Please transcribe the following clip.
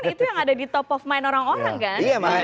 itu yang ada di top of mind orang orang kan